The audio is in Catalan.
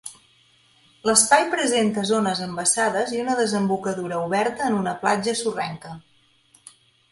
L'espai presenta zones embassades i una desembocadura oberta en una platja sorrenca.